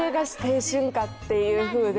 っていうふうで。